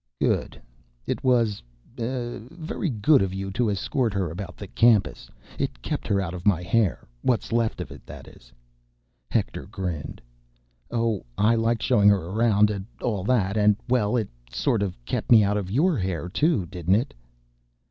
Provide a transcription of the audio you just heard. "Good. It was, eh, very good of you to escort her about the campus. It kept her out of my hair ... what's left of it, that is." Hector grinned. "Oh, I liked showing her around, and all that—And, well, it sort of kept me out of your hair, too, didn't it?"